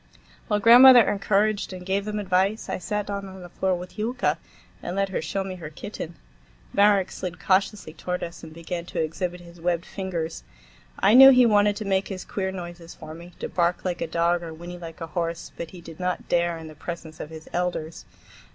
While grandmother encouraged and gave them advice, I sat down on the floor with Yulka and let her show me her kitten. Marek slid cautiously toward us and began to exhibit his webbed fingers. I knew he wanted to make his queer noises for me—to bark like a dog or whinny like a horse,—but he did not dare in the presence of his elders.